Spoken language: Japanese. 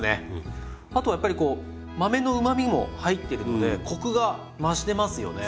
あとやっぱりこう豆のうまみも入ってるのでコクが増してますよね。